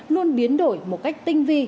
luôn biến đổi một cách tinh vi